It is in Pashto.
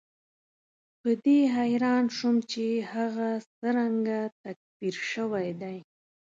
په دې حیران شوم چې هغه څرنګه تکفیر شوی دی.